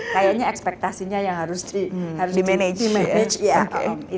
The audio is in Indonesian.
kayaknya ekspektasinya yang harus di manajemen